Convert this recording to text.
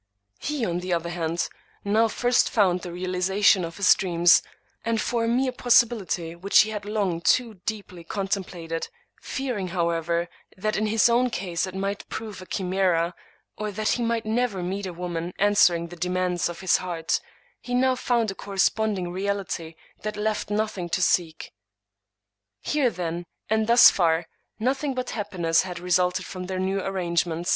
He, on the other hand, now first found the realization of his dreams, and for a mere possibility which he had long too deeply contemplated, fearing, however, that in his own case it might prove a chimera, or that he might never meet a woman answering the demands of his heart, he now found a corresponding reality that left nothing to seek. Here, then, and thus far, nothing but happiness had re sulted from the new arrangement.